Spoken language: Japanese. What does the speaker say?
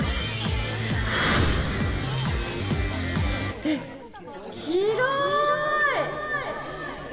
って広い！